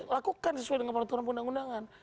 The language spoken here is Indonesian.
lakukan sesuai dengan peraturan undang undangan